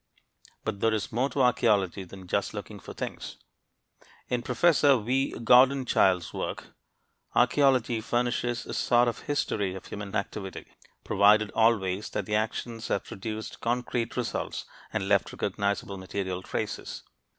But there is more to archeology than just looking for things. In Professor V. Gordon Childe's words, archeology "furnishes a sort of history of human activity, provided always that the actions have produced concrete results and left recognizable material traces."